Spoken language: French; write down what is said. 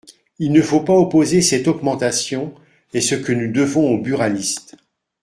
Il ne faut pas opposer cette augmentation et ce que nous devons aux buralistes.